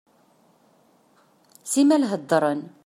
Simmal heddren.